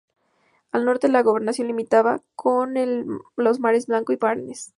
Al norte, la gobernación limitaba con los mares Blanco y Barents.